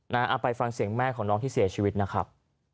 เอาไปฟังเสียงแม่ของน้องที่เสียชีวิตนะครับ